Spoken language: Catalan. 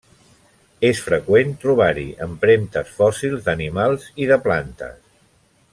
És freqüent trobar-hi empremtes fòssils d'animals i de plantes.